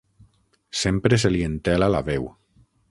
Sempre se li entela la veu.